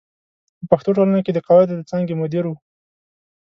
په پښتو ټولنه کې د قواعدو د څانګې مدیر و.